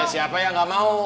siapa yang nggak mau